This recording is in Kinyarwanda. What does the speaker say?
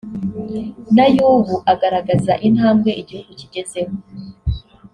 n’ay’ubu agaragaza intambwe igihugu kigezeho